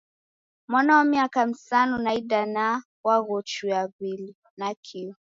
Mwana wa miaka misanu na idanaa waghochuya w'ili nakio.